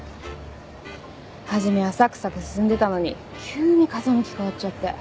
初めはサクサク進んでたのに急に風向き変わっちゃって。